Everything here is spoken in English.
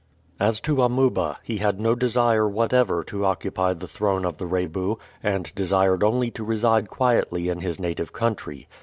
As to Amuba, he had no desire whatever to occupy the throne of the Rebu, and desired only to reside quietly in his native country.